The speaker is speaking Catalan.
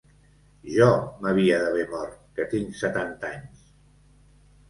Jo m’havia d’haver mort, que tinc setanta anys.